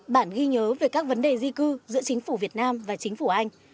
bản ghi nhớ về các vấn đề di cư giữa chính phủ việt nam và chính phủ anh